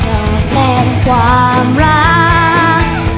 จะแข็งความรัก